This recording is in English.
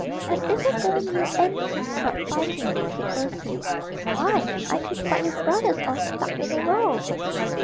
'As if a girl knew anything about fighting,' said Bertie; 'why, I could fight your brothers all stuck in a row!'